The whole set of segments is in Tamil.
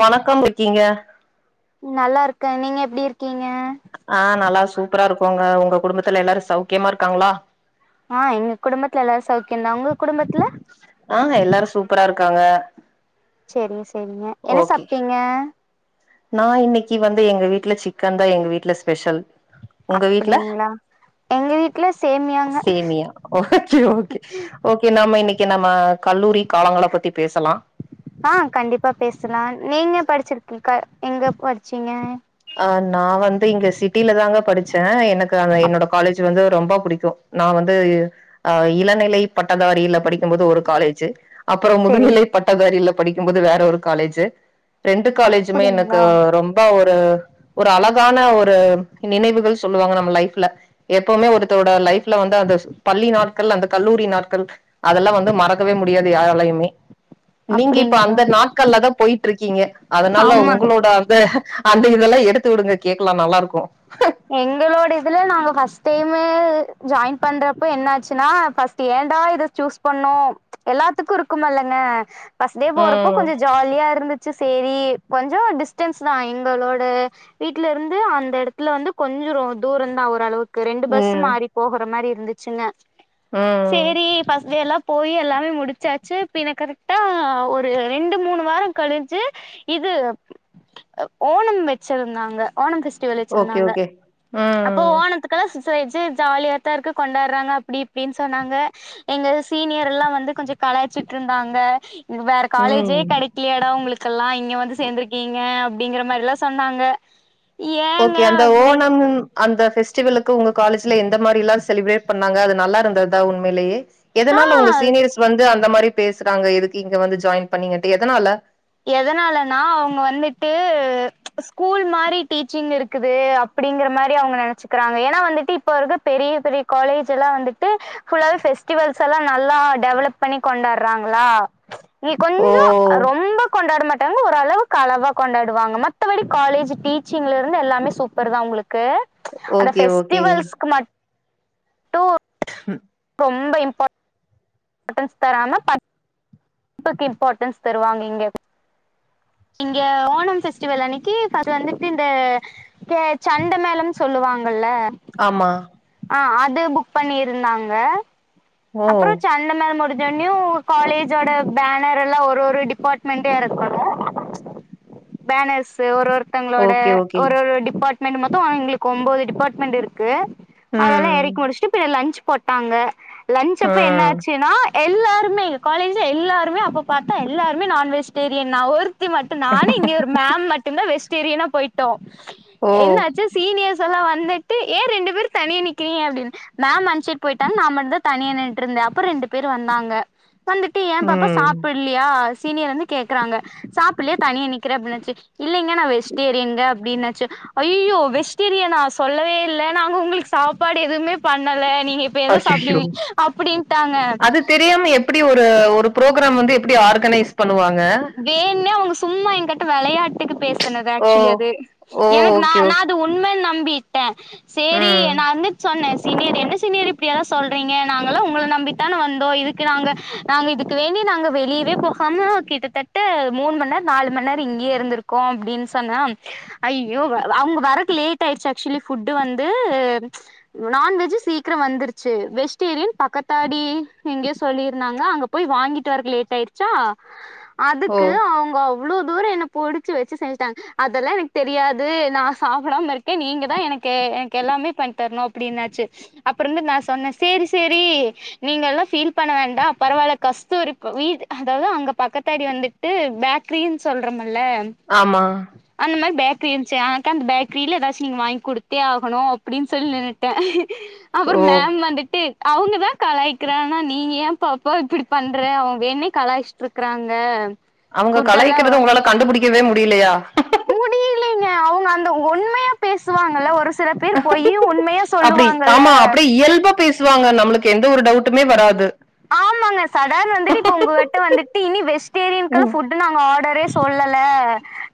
வணக்கம் இருக்கிங்க நல்லா இருக்கேன் நீங்க எப்டி இர் ஆஹ் நல்லா சூப்பரா இருக்கும் ங்க உங்க குடும்பத்துல எல்லாரும் சௌக்கியமா இருக்காங்களா ஆஹ் எங்க குடும்பத்துல எல்லாரும் சௌக்கியம்தா உங்க குடும்பத்துல ஆ எல்லாரு சூப்பரா இருக்காங்க செரிங்க சரிங்க என்ன சாப்டீங்க நான் இன்னைக்கு வந்து எங்க வீட்டு்ல சிக்கன் தான் எங்க வீட்டுல ஸ்பெஷல் உங்க வீட்டுல அப்டிங்களா எங்க வீட்ல சேமியாங்க சேமியா ஓகே ஓகே ஓகே நாம இன்னைக்கு ஓகே நம்ம கல்லூரி காலங்கள பத்தி பேசலாம் ஆஹ் கண்டிப்பா பேசலாம் நீங்க படிச்சிருக்கீ எங்க படிச்சீங்க ஆஹ் நான் வந்து இங்க சிட்டில தாங்க படிச்சேன் எனக்கு அந்த அப் என்னோட காலேஜ் வந்து ஒரு ரொம்ப புடிக்கும் நான் வந்து அ இளநிலை பட்டதாரில படிக்கும் போது ஒரு காலேஜ் அப்புறம் சேரிங் முதுநிலை பட்டதாரியில படிக்கம்போது வேற ஒரு காலேஜ்ஜூ ரெண்டு காலேஜ்மே எனக்கு அப்டிங்களா ரொம்ப ஒ ஆ ஒரு அழகான ஒரு நினைவுகள் சொல்லுவாங்க நம்ம லைஃப்ல எப்பவுமே ஒருத்தரோட லைப் வந்து அந்த பள்ளி நாட்கள் அந்த கல்லூரி நாள் அதெல்லாம் வந்து மறக்கவே முடியாது யாராலயுமே நீங்க இப்ப அப்டிங்களா அந்த நாட்கள்ல தான் போயிட்டு இருக்கீங்க அதனால ஆமா உங்களோட வந்து அந்த இதெல்லா எடுத்துடுங்க கேக்கலா நல்லாருக்கு எங்களோட இதுல நாங்க ஃபஸ்ட் டைமு ஜாயின் பண்றப்போ என்னாச்சுன்னா ஃபஸ்ட் ஏன்டா இத சூஸ் பண்ணோ எல்லாத்துக்கு இருக்குமல்லங்க ஃபஸ்ட் டே போறப்போ ம். கொஞ்ச ஜாலியா இருந்து ச்சு சேரி கொஞ்ச டிஸ்டன்ஸ்தா எங்களோட வீட்ல இருந்து அந்த எடத் துல வந்து கொஞ்ச தூரந்தா ஓரளவுக் கு ரெண்டு பஸ்ஸு ம். மாறி போகற மாரி இருந்துச்சுங்க ம். சேரி ஃபஸ்ட் டே எல்லா போயி எல்லாமே முடிச்சாச்சு பின்ன கரெக்ட்டா ஒரு ரெண்டு மூணு வார கழிச்சு இது ஓணம் வெச்சிருந்தாங்க ஓணம் ஃபெஸ்டிவல் ஓகே, வெச்சிருந்தாங்க ஓகே. அப்போ ம். ஓணத்துக்கு ஜாலியாத்தா இருக்கு கொண்டாடறாங்க அப்டி இப்டின் சொன்னாங்க எங்க சீனியர்லா வந்து கொஞ்ச கலாய்ச்சிட்ருந்தாங்க வேற ம். காலேஜே கெடைக்கிலியாடா உங்களுக்கெல்லா இங்க வந்து சேந்துருக்கிங்க அப்படிங்கிற மாரில்லா சொன்னாங்க ஏ ஓகே அந்த ஓணம் அந்த ஃபெஸ்டிவலுக்கு உங்க காலேஜ்ல எந்த மாரில்லா செலிபிரேட் பண்ணாங்க அது நல்லாருந்ததா உண்மைலேயே எதனால உங்க ஆ சீனியர்ஸ் வந்து அந் த மாரி பேசறாங்க எதுக்கு இங்க வந்து ஜாயின் பண்ணிங்கன்ட்டு எதனால எதனாலனா அவங்க வந்துட்டு ஸ்கூல் மாரி டீச்சிங் இருக்குது அப்பிடிங்கற மாரி அவுங்க நெனைச்சுக்கறாங்க ஏன்னா வந்துட்டு இப்ப இருக்க பெரிய பெரிய காலேஜ் எல்லா வந்துட்டு ஃபுல்லாவே ஃபெஸ்டிவல்ஸ் எல்லாம் நல்லா டெவலப் பண்ணி கொண்டாடறாங்களா இ ஓ! கொஞ்சோ ரொம்ப கொண்டாட மாட்டாங்க ஒரளவுக்கு அளவா கொண்டாடுவாங்க மத்தபடி காலேஜ் டீச்சிங்ல இருந்து எல்லாமே சூப்பர்தா உங்களுக் கு அந்த ஓகே, ஓகே. ஃபெஸ்டிவல்ஸ்க்கு மட் டு ரொம்ப இம்பார்ட் டன்ஸ் தராம ப டிப்புக்கு இம்பார்ட்டன்ஸ் தருவாங்க இங்க இங்க ஓணம் ஃபெஸ்டிவல் அன்னைக்கு வந்துட்டு இந்த சண்ட மேளம்ன் சொல்லுவாங்கல்ல ஆமா ஆ அது புக் பண்ணி இருந்தாங்க ஓ! அப்பற சண்ட மேள முடிஞ் சொன்யு காலேஜோட பேனர் எல்லா ஒரு ஒரு டிபார்ட்மெண்டு எறக்கோல பேனர்ஸ் ஒரு ஒருத்தங்களோட ஓகே, ஓகே. ஒரு ஒரு டிபார்ட்மெண்ட் மொ த்த எங்களுக்கு ஒம்போது டிபாட்மெண்ட் இருக்கு அதெல்லா ம். எறக்கி முடிச்ட்டு பின்ன லன்ச் போட்டாங்க லன்ச் அப்ப என்ன ம். ஆச்சுன்னா எல்லாருமே எங்க காலேஜ்ல எல்லாருமே அப்ப பாத்தா எல்லாருமே நான் வெஜ்டேரியன் நா ஒரு ருத்தி மட்டு நானு இனியொரு மேம் மட்டுந்தா வெஜ்டேரியனா போய்ட்டோ ஓ என்னாச்சு சீனியர்ஸல்லா வ ந்துட்டு ஏ ரெண்டு பேரு தனியா நிக்கிறீங்க அப்டின் மேம் அன்சைட் போய்ட்டாங்க நா மட்ந்தா தனியா நின்ட்ருந்தே அப்பறோ ரெண்டு பேரு வந்தாங்க வந்துட்டு ஏ பாப்பா ம் சாப்பில்லியா சீனியர் வந்து கேக்குறாங்க சாப்பில்லியா தனியா நிக்கிற அப்பினாச்சு இல்லைங்க நா வெஜ்டேரியன்ங்க அப்டினாச்சு ஐயயோ வெஜ்டேரியனா சொல்லவே இல்ல நாங்க உங்களுக் சாப்பாடு எதுமே பண்ணல நீங்க இப்ப எத அய்யய்யோ சாப்டுவீங் அப்டின்ட்டாங்க அது தெரியாம எப்டி ஒரு ஒரு புரோக்ராம் வந்து எப்டி ஆர்கனைஸ் பண்ணுவாங்க வேண்ணே அவுங்க சும்மா என்கட்ட வெளையாட்டுக்கு பேசு சுனது ஓ ஆக்சுலி அது ஓ எனக்கு நா ஓகே நா ஓகே அது உண்மன் நம் நம்பீட்டே சேரி ம் நா வந்துட் சொன்னே சீனியர் என்ன சீனியர் இப்டியெல்லா சொல்றீங்க நாங்களா உங்கள நம்பித்தான வந்தோ இதுக்கு நாங்க நாங்க இதுக்கு வேண்டி நாங்க வெளியவே போகாம கிட்ட தட்ட மூணுமண்நேர் நாலு மண்நேரோ இங்கயே இருந்துருக்கோ அப்டின் சொன்னே ஐய்யோ அவுங்க வறக்கு லேட் ஆய்ருச்சு ஆக்சுலி ஃபுட்டு் வந்து ச் நான்வெஜ்ஜு சீக்ரோ வந்துருச்சு வெஜ்டேரியன் பக்கத்தாடி எங்க்யே சொல்லி இருந்தாங்க அங்க போய் வாங்கிட்டு வறக்கு லேட் ஆய்ருச்சா ஓ அதுக்கு அவுங்க எவ்ளோ தூரோ என்ன புடுச்சு வச்சு செஞ்டாங்க அதல்லா எனக் தெரியாது நா சாப்படாம இருக்கே நீங்க தா எனக்கு எனக் எல்லாமே பண்ணி தரணு அப்டின்னாச்சு அப்பறந்து நா சொன்னே சேரி சேரி நீங்க எல்லா ஃபீல் பண்ண வேண்டா பரவால்ல கஷ்டொருக்கு வீட் அதாவது அங்க பக்கத் தாடி வந்துட்டு பேக்ரின் சொல்ற மா ல்ல ஆமா அந்த மாரி பேக் பேக்ரி இன்ச்சு ஆ அக்கா அந்த பேக்ரில ஏதாச்சு நீங்க வாங்கி குடுத்தே ஆகணு அப்டின் சொல்லி நின்னுட்டே அப்றோ ஓ மேம் வந்துட்டு அவுங்கதா கலாய்கிறானா நீங்க ஏன் பாப்பா இப்டி பண்ற அவுங் வேன்ணே கலாய்ச்ட்ருக்குறாங் க அவுங்க கலாக்கிறது உங்களால கண்டுபுடி கவே முடிலயா முடியலேங்க அவுங்க அந்த உண்மையா பேசுவாங்கல்ல ஒரு சில பேர் பொய்யு உண்மையா அப்டி காமா, சொல்லுவாங்கல்ல அப்டி இயல்பா பேசுவாங்க, நம்மளுக்கு எந்த ஒரு டவுட்டுமே வராது. சதாரண வந்துட்டு இப்போ உங்ககிட்ட வந்துட்டு இனி வெஜ்டேரியனுக்குள்ளா ம் ஃபுட்டு நாங்க ஆடரே சொல்லல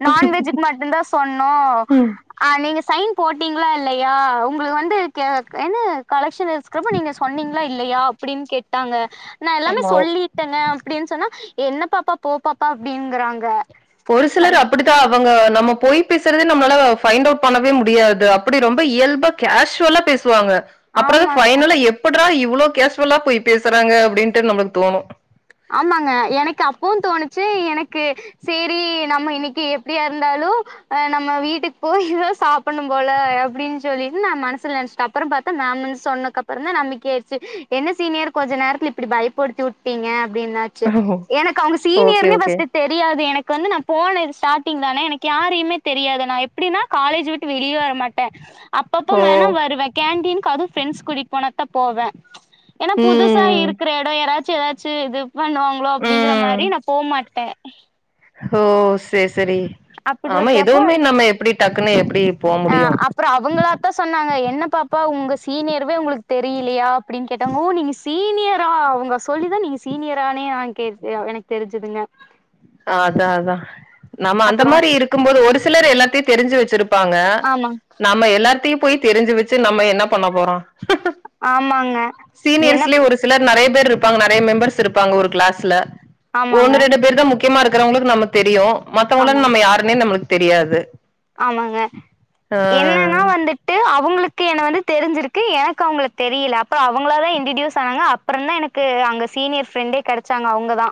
நான்வெஜ்ஜுக்கு மட்டுதா சொன்னோ ம் ஆ நீங்க சைன். போட்டீங்களா இல்லையா உங்களுக்கு வந்து கெ என்ன கலெக்ஷன ஸ்கப்ப நீங்க சொன்னீங்ளா இல்லையா அப்டின்னு கேட் டாங்க நான் எல்லாமே ஆமா சொல்லிட்டங்க அப்டின்னு சொன்னா என்ன பாப்பா போ பாப்பா அப்டிங்கறாங்க ஒரு சிலர் அப்படித்தா அவங்க நம்ம பொய் பேசுறதே நம்மளால ஃபைண்ட் அவுட் பண்ணவே முடியாது அப்டி ரொம்ப இயல்பா கேஷுவலா பேசுவாங்க அப்றகு ஆமாங்க ஃபைனலா எப்பிட்ரா இ இவ்வளோ கேஷ்வலா போய்பேசுறாங்க அப்பிடின்ட்டு நம்மளுக்கு தோணு ஆமாங்க எனக்கு அப்பவு தோணிச்சு எனக்கு சேரி நம்ம இன்னைக்கு எப்படியா இருந்தாலு ஆ நம்ம வீட்டுக்கு போய்த் தா சாப்பிடணும் போல அப்படின்னு சொல்லிட்டு நா மனசுல நெனச்சுட்ட அப்புறம் பாத்தா மேம் வந்து சொன்னக் அப்புறோந்தா நம்பிக்கியே ஆயிருடுச்சு என்ன சீனியர் கொஞ்சோ நேரத்துல இப்பிடி பயப்படுத்திவுட்டீங்க அப்படின்னாச்சு ஓ. எனக்கு அவங்க ஓகே, சீனியர்னே ஓகே. ஃபர்ஸ்ட்டு தெரியாது எனக்கு கு வந்து நா போனே ஸ்டார்டிங் தானே எனக்கு யாரையுமே தெரியாது நா எப்பிடின்னா காலேஜ் விட்டு வெளியே வர மாட்டே அப்பப்போ ஓ! வேணா வருவே கேன்டீனுக்கு அதுவு ஃப்ரெண்ட்ஸ் கூட்டிட்டு போனா தா போவே ம்ச ஏன்னா புதுசா ம். இருக்குற எடோ யாரா ச்சீ ஏதாச்சு இதும் பண்ணுவாங்களோ அப்படிங்கற ம். மாரி நா போ மாட்டே அஹ ஓ செரி செரி அப்டி ஆமா இருக்கிறப்போ எதுவுமே நம்ம எப்பிடி டக்குன்னு எப்பிடி ஆ அப்புறோ அவங்களாதா சொன்னாங்க என் என்ன பாப்பா உங்க சீனியர்வே உங்களுக்கு தெரியலையா அப்படின்னு கேட்டாங்க ஓ நீங்க சீனியரா அவங்க சொல்லிதா நீங்க சீனியரானே நா கேட்ட எனக்கு தெரிஞ்சதுங்க ஆ அதா அதா நம்ம அந்த அப்றோ மாரி இருக்கும் போது ஒரு சிலர் எல்லாத்தையு தெரிஞ்சு வெச்சிரு பாங்க ஆமா நம்ம எல்லாத்தையு போயி தெரிஞ்சு வெச்சு நம்ம என்ன பண்ணப் போறோ ஆமாங்க என்ன சீனியர்ஸ்லேயே ஒரு சிலர் நறைய பேர் இருப் இருப்பாங்க நறைய மெம்பர்ஸ் இருப்பாங்க ஒரு கிளாஸ்ல ஆமாங்க ஒன்னு ரெண்டு பேர்தா முக்கி முக்கியமா இருக்கிறவங்களுக்கு நம்ம தெரியு மத்தவங்கள ஆமாங் நம்ம யாருனே நம்மளுக்கு தெரியாது ஆமாங்க ஆ என்னன்னா வந்துட்டு அவுங்களுக் கு என்ன வந்து தெரிஞ்சிருக்கு எனக்கு அவுங்கள தெரியல அப்புறோ அவுங்களாவே இன்டிடீயூஸ் ஆனாங்க அப்புறந்தா எனக்கு அங்க சீனியர் ஃப்ரெண்டே கெடச்சாங்க அவுங்கதா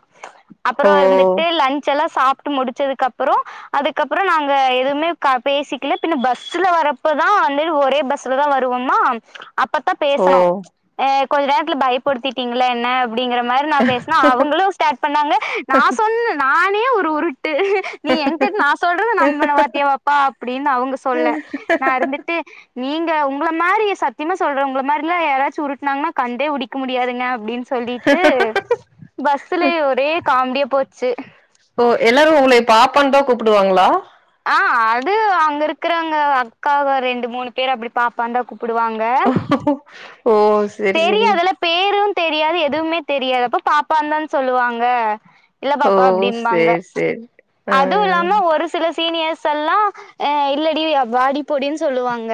அப்புறோ ஓ இருந்துட்டு லன்ச் எல்லா சாப்ட்டு முடிச்சதுக்கப்புறோ அதுக்கப்புறோ நாங்க எதுமே கா பேசிக்கல பின்ன பஸ்ல வரப்பதா வந்து ஒரே பஸ்லதா வருவோமா அப்பத்தா ஓ பேசுனோ ம்ச ஆ கொஞ்சு நேரத்துல பயப்படுத்திட்டீங்களே என்ன அப்பிடிங்கிற மாரி நா பேசுன அவுங்களு ஸ்டார்ட் பண்ணாங்க நா சொன்ன நானே ஒரு ஒரு ஒரு டு நீ எங்க நா சொல்றது நம்புன பாத்தியா பாப் பா அப்டின்னு அவுங்க சொல்ல நா இருந்துட்டு நீங்க உங்கள மாரி சத்தியமா சொல்ற உங்கள மாரிலாம் யாராச்சும் உருட்னாங்கன்னா கண்டேபுடிக்க முடியாதுங்க அப்டின்னு சொல்லிட்டு பஸ்லேயே ஒரே காமெடியா போச்சு பாப்பான்னுதா கூப்புடுவாங்களா ஆ அது அங்க இருக்கறவங்க அக்காக ரெண்டு மூணு பேர் அப்டி பாப்பான்னுதா கூப் ஓ செரி செரி தெரியாதுல்ல பேரு தெரியாது எதுவுமே தெரியாது அப்ப பாப்பான்னு தான் சொல்லுவாங்க இல்ல ஓ பாப்பா அப்டிம்பாங்க செரி செரி ஆ அதுவு இல்லாம ஒரு சில சீனியர்ஸ் எல்லா ஆ இல்லடி வாடி போடின்னு சொல்லுவாங்க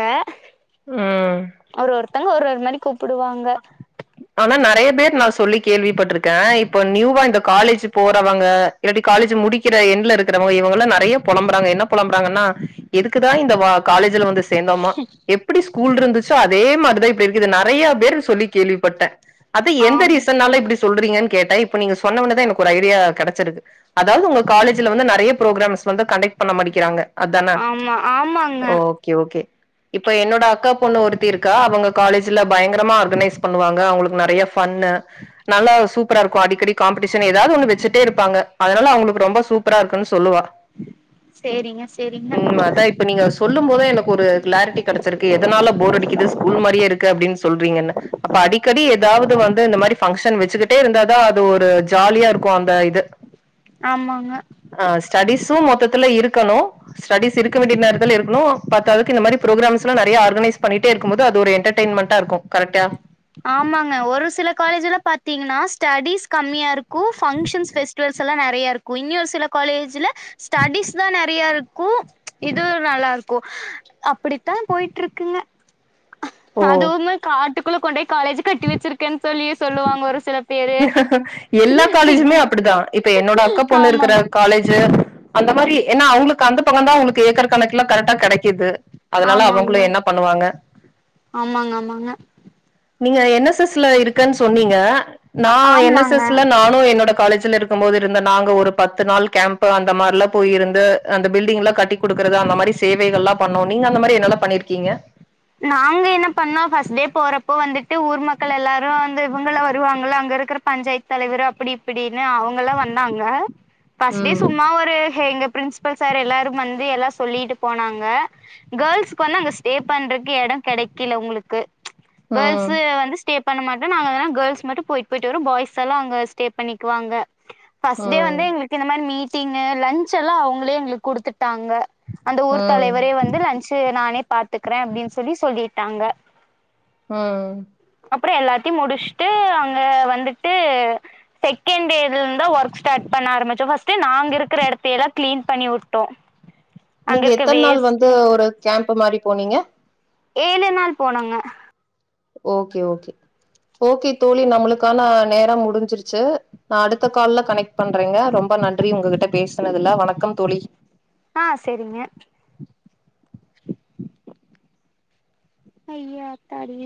ம் ஒரு ஒரு ஒருத்தங்க ஒரு ஒரு மாரி கூப் ஆனா நெறைய பேர் நா சொல்லிக் கேள்விப்பட்ருக்கேன் இப்ப நியூவா இந்த காலேஜ் போறவங்க இல்லாட்டி காலேஜ் முடிக்கிற எண்ட்ல இருக்கறவங்க இவுங்கள்லா நெறைய பொலம்பறாங்க என்ன பொலம்புறாங்கன்னா எதுக்குதா இந்த வா காலேஜ் ல வந்து சேந்தோமா எப்டி ஸ் கூல் இருந்துச்சோ அதே மாரிதா இப்ப இருக்குது நெறைய பேர் சொல்லிக் கேள்விப்பட்ட அது எந்த ஆம் ரீசனால இப்டி சொல்றீங்கன்னு கேட்ட இப்ப நீங்க சொன்னவொன்னேதா எனக்கு ஒரு ஐடியா கெடச்சிருக்கு அதாவது உங்க காலேஜ்ல வந்து நெறைய ப்ரோக்ராம்ஸ் வந்து கன்டெக்ட் பண்ண மாட்டேங்கிறாங்க அதானா ஆமா ஆமாங்க ஓகே ஓகே இப்ப என்னோட அக்கா பொண்ணு ஒருத்தி இருக்கா அவங்க காலேஜ்ல பயங்கரமா ஆர்கனைஸ் பண்ணுவாங்க அவுங்களுக்கு நெறைய ஃபன்னு நல்லா சூப்பரா இருக்கும் அடிக்கடி காம்படீஷன் ஏதாவது ஒன்னு வச்சுட்டே இருப்பாங்க அதனால அவுங்களுக்கு ரொம்ப சூப்பரா இருக்குன்னு சொல்லுவா சேரிங்க சேரிங்க ம் அதா இப்ப நீங்க சொல்லும் போதே எனக்கு ஒரு கிளாரிட்டி கெடச்சிருக்கு எதனால போர் அடிக்குது ஸ்கூல் மாரியே இருக்கு அப்டின்னு சொல்றீங்கன்னு அப்ப அடிக்கடி ஏதாவது வந்து இந்த மாறி ஃபங்கஷன் வச் சுக்கிட்டே இருந்தாதா அது ஒரு ஜாலியா இருக்கு அந்த இது ஆமாங்க ஸ்டடீஸும் மொத்ததுல இருக்கணு ஸ்டடீஸ் இருக்க வேண்டிய நேரத்துல இருக்குனு பத்தாதுக்கு இந்த மாறி ப்ரோக்ராம்ஸ் லாம் நறியா ஆர்கனைஸ் பண்ணிகிட்டே இருக்கும் போது அது ஒரு என்டர்டெய்ன்மெண்டா இருக்கு கரெக் ட்டா ஆமாங்க ஒரு சில காலேஜ்ல பாத்தீங்கன்னா ஸ்டடிஸ் கம்மியா இருக்கு ஃபங்க்ஷன்ஸ் ஃபெஸ்டிவல்ஸ் எல்லா நறையா இருக்கு இன்ஞொர் சில காலேஜ்ல ஸ்டடிஸ் தா ந ஃப்ரீயா இருக்கு இது நல்லா இருக்கு அப்படித்தா போயிட்டு ருக்குங்க அ ஓ அதுமே காட் காட்டுகுள்ள கொண்டுபோய் காலேஜ் கட்டி வெச்சிருக்கேன்னு சொல்லி சொல்லுவாங்க ஒரு சில பேரு எல்லா சிக் காலேஜுமே அப்டிதா இப்ப என்னோட அக்கா பொண்ணு இருக்கிற ஆமாங்க காலேஜு அந்த மாரி ஏன்னா அவுங்ளுக்கு அந்த பக்கந்தா அவுங்களுக்கு ஏக்கர் கணக்குல கரக்டா கெடைக்குது அதனால ஆமாங்க அவங்களு என்ன பண்ணுவாங்க ஆமாங்க ஆமாங்க நீங்க என் எஸ் எஸ் ல இருக்கன் சொன்னிங்க நா என் எஸ் எஸ் ஆமாங்க ல நானு என்னோட காலேஜ் ல இருக்கும் போது இருந்த நாங்க ஒரு பத்து நாள் கேம்ப் அந்த மார்லா போயிருந்து அந்த பில்டிங்லா கட்டி குடுக்கறது அந்த மாரி சேவைகள்லா பண்ணோ நீங்க அந்த மாரி என்னல்லா பண்ணிருக்கிங்க நாங்க என்ன பண்ணோ ஃபர்ஸ்ட் டே போறப்போ வந்துட்டு ஊர் மக்கள் எல்லாரு வந்து இவுங்கள வருவாங்கல அங்க இருக்கற பஞ்சாயத் தலைவரு அப்டி இப்டி னு அவுங்களா வந்தாங்க ஃபஸ் டே ம் சும்மா ஒரு ஹெங்க பிரின்சிபல் சார் எல்லாரும் வந்து எல்லா சொல்லிட்டு போனாங்க கேர்ள்ஸ்கு வந்து அங்க ஸ்டே பண்ற கு எட கெடைக்கல உங்களுக்கு ம் கேர்ள்ஸு வந்து ஸ்டே பண்ண மாட்டோ நாங்க வேணா கேர்ள்ஸ் மட்டு போயிட் போயிட்டு வரோ பாய்ஸ் எல்லா அங்க ஸ்டே பண்ணிக்குவாங்க ஃபஸ்ட் டே ம் வந்து எங்களுக்கு இந்த மாரி மீ ட்டிங்கு லன்ச் எல்லா அவுங்களே எங்ளுக்கு குடுத்துட்டாங்க அந்த ஊர் ம் தலைவரே வந்து லன்ச்சு நானே பாத்துக்கற அப்டின் சொ ல்லிட்டாங்க ம் அப்றோ எல்லாத்தியு முடிச்ட்டு அங்க வந்துட்டு செகண்ட் டேல இருந் தா ஒர்க் ஸ்டார்ட் பண்ண ஆரம்பிச்சோ ஃபஸ்ட்டு நாங்க இருக்குற எடத்தயெல்லா கிளீன் பண்ணி வுட்டோ நீங்க எத்தன நாள் வந்து ஒரு கேம்ப் மாரி போனிங்க ஏழு நாள் போனங்க ஓகே ஓகே ஓகே தோழி நம்முளுக்கான நேர முடிஞ்சிருச்சி நா அடுத்த கால்ல கனெக்ட் பண்றேங்க ரொம்ப நன்றி உங்ககிட்ட பேசுனதுல வணக்கம் தோழி ஆ செரிங்க அய்யா ஆத்தாடி